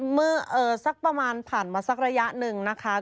เมื่อสักประมาณผ่านมาสักระยะหนึ่งนะคะ